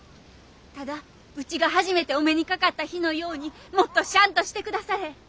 ただうちが初めてお目にかかった日のようにもっとシャンとしてくだされ！